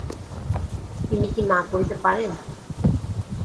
তিনি কি না করিতে পারেন?